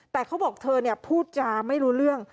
แต่เขาบอกเธอพูดจาไม่รู้เรื่อง